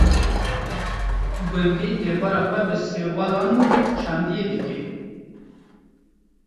Gundî debara xwe bi sewalan û çandiniyê dike.